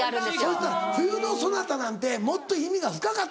そしたら『冬のソナタ』なんてもっと意味が深かったんだ。